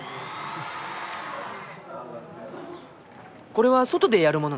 これは外でやるものなの？